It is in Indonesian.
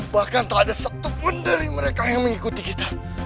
bahkan tak ada satupun dari mereka yang mengikuti kita